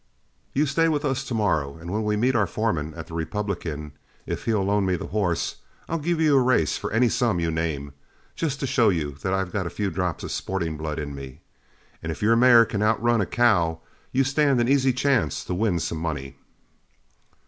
You stay with us to morrow, and when we meet our foreman at the Republican, if he'll loan me the horse, I'll give you a race for any sum you name, just to show you that I've got a few drops of sporting blood in me. And if your mare can outrun a cow, you stand an easy chance to win some money."